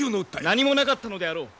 何もなかったのであろう！